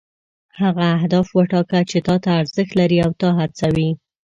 هغه اهداف وټاکه چې تا ته ارزښت لري او تا هڅوي.